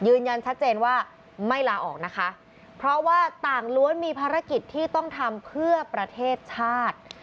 ยืนยันชัดเจนว่าไม่ลาออกนะคะเพราะว่าต่างล้วนมีภารกิจที่ต้องทำเพื่อประเทศชาติ